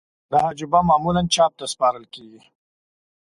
دا هجویه معمولاً چاپ ته سپارل کیږی.